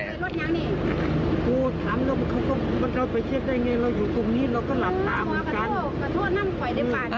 ขอโทษนั่งไหวได้ป่าว